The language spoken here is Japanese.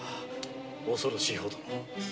恐ろしいほどです。